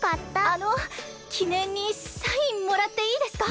あのきねんにサインもらっていいですか？